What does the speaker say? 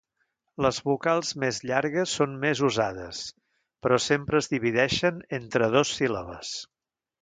Les vocals més llargues són més usades, però sempre es divideixen entre dos síl·labes.